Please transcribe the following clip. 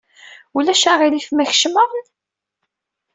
Ulac aɣilif ma kecmeɣ-n?